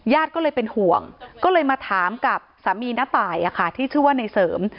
ก็เลยเป็นห่วงก็เลยมาถามกับสามีน้าตายที่ชื่อว่าในเสริม